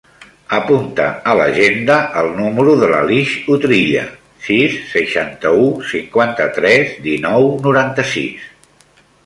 Apunta a l'agenda el número de l'Alix Utrilla: sis, seixanta-u, cinquanta-tres, dinou, noranta-sis.